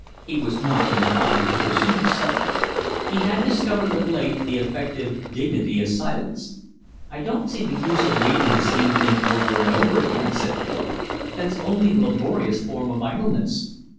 He was not inclined to pursue the subject. He had discovered of late the effective dignity of silence. "I don't see the use of reading the same thing over and over again," said Philip. "That's only a laborious form of idleness."